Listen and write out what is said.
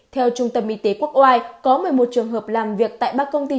theo trung tâm y tế quốc oai có một mươi một trường hợp làm việc tại ba công ty